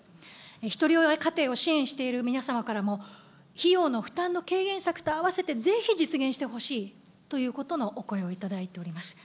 ひとり親家庭を支援している皆様からも、費用の負担の軽減策と併せて、ぜひ実現してほしいということのお声を頂いております。